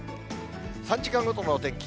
３時間ごとのお天気。